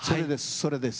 それです。